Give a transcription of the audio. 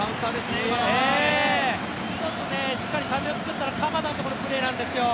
１つしっかりためを作ったのが鎌田のところのプレーなんですよ。